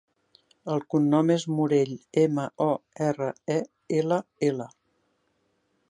El cognom és Morell: ema, o, erra, e, ela, ela.